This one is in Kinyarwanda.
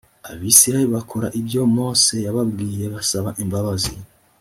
abisirayeli bakora ibyo mose yababwiye basaba imbabazi